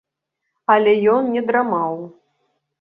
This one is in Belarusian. Але ён не драмаў.